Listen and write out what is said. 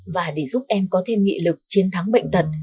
và để giúp em có thêm nghị lực chiến thắng bệnh tật